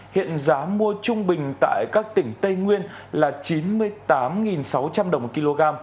hiện giá mua trung bình tại các tỉnh tây nguyên là chín mươi tám sáu trăm linh đồng một kg